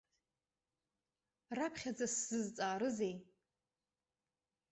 Раԥхьаӡа сзызҵаарызеи?